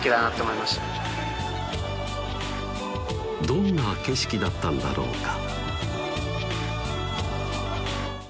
どんな景色だったんだろうか